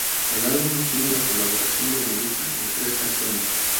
El álbum tiene la colaboración de Melissa en tres canciones.